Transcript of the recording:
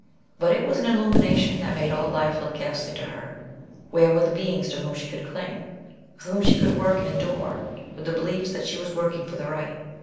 But it was an illumination that made all life look ghastly to her. Where were the beings to whom she could cling, with whom she could work and endure, with the belief that she was working for the right?